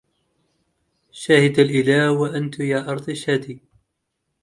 شهد الإله وأنت يا أرض اشهدي